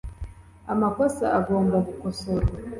amakosa agomba gukosorwa .